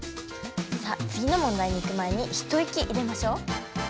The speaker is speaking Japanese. さあつぎのもんだいにいく前に一息いれましょう。